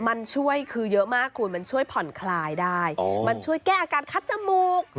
มันช่วยคือเยอะมากคุณมันช่วยผ่อนคลายได้มันช่วยแก้อาการคัดจมูก